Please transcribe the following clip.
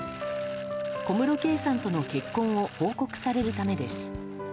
小室圭さんとの結婚を奉告されるためです。